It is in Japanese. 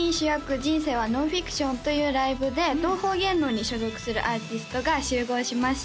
人生はノンフィクション」というライブで東宝芸能に所属するアーティストが集合しました